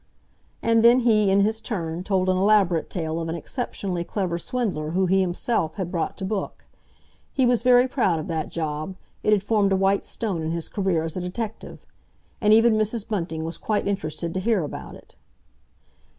And then he, in his turn, told an elaborate tale of an exceptionally clever swindler whom he himself had brought to book. He was very proud of that job, it had formed a white stone in his career as a detective. And even Mrs. Bunting was quite interested to hear about it.